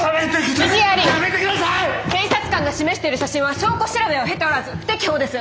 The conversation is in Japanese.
検察官が示している写真は証拠調べを経ておらず不適法です。